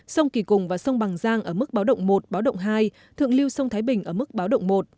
sông kỳ cùng và sông bằng giang ở mức báo động một báo động hai thượng lưu sông thái bình ở mức báo động một